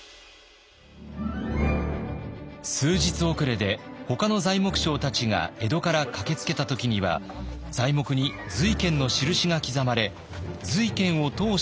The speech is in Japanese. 数日遅れでほかの材木商たちが江戸から駆けつけた時には材木に瑞賢の印が刻まれ瑞賢を通して買うことになりました。